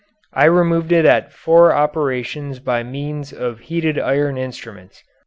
I removed it at four operations by means of heated iron instruments.